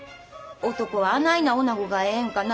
男はあないなおなごがええんかな。